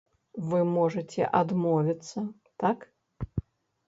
Вы можаце адмовіцца, так.